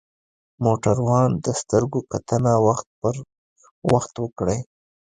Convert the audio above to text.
د موټروان د سترګو کتنه وخت پر وخت وکړئ.